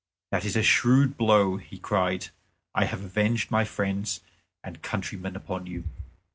"That is a shrewd blow," he cried; "I have avenged my friends and countrymen upon you."